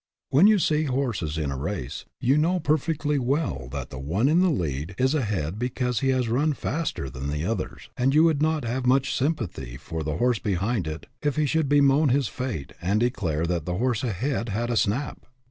When you see horses in a race, you know perfectly well that the one in the lead is ahead because he has run faster than the others, and WHAT HAS LUCK DONE? 223 you would not have much sympathy for the horse behind if he should bemoan his fate and declare that the horse ahead had a snap!